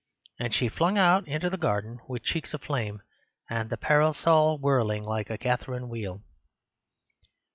And she flung out into the garden, with cheeks aflame, and the parasol whirling like a Catherine wheel.